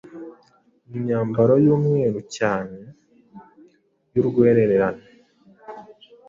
mu myamabaro y’umweru cyane y’urwererane